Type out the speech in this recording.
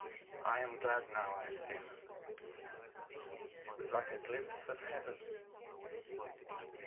" I am glad, now, I have seen them. It was like a glimpse of heaven."